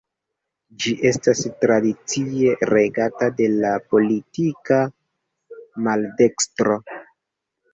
Ĝi estas tradicie regata de la politika maldekstro.